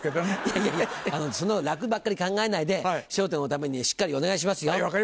いやいや楽ばっかり考えないで『笑点』のためにしっかりお願いしますよ。